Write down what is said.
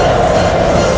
amin ya rukh alamin